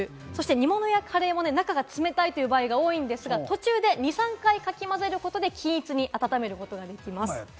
煮物やカレーも中が冷たいという場合が多いですが、途中で２３回かき混ぜることで均一に温めることができます。